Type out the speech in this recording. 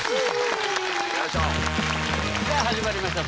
さあ始まりました